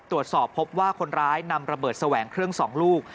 ตรวจสอบพบว่าคนร้ายนำระเบิดแสวงเครื่อง๒ลูก